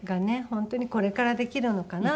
本当にこれからできるのかなと。